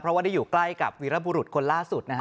เพราะว่าได้อยู่ใกล้กับวีรบุรุษคนล่าสุดนะฮะ